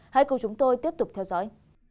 hãy cùng chúng tôi tiếp tục theo dõi